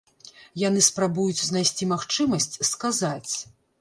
Яны спрабуюць знайсці магчымасць сказаць.